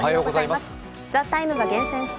「ＴＨＥＴＩＭＥ，」が厳選した